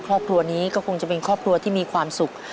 ครอบครัวนี้ก็คงจะเป็นครอบครัวที่มีความสุข